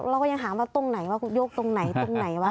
เราก็ยังหาว่าตรงไหนว่ายกตรงไหนตรงไหนวะ